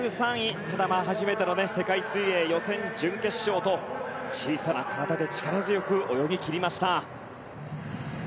ただ、初めての世界水泳予選、準決勝と小さな体で力強く泳ぎ切りました。